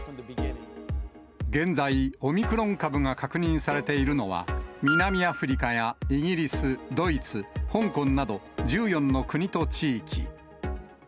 現在、オミクロン株が確認されているのは、南アフリカやイギリス、ドイツ、香港など１４の国と地域。